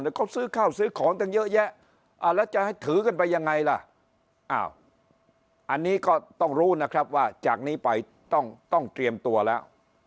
เขาซื้อข้าวซื้อของตั้งเยอะแยะแล้วจะให้ถือกันไปยังไงล่ะอ้าวอันนี้ก็ต้องรู้นะครับว่าจากนี้ไปต้องเตรียมตัวแล้ว